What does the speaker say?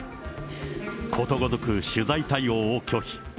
ことごとく取材対応を拒否。